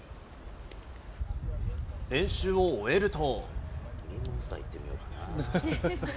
練習を終えると。